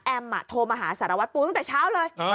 โทรมาหาสารวัตรปูตั้งแต่เช้าเลย